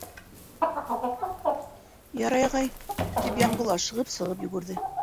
— Ярай, ағай, — тип Янғол ашығып сығып йүгерҙе.